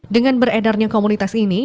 dengan beredarnya komunitas ini